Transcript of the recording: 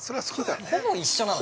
ほぼ一緒なの。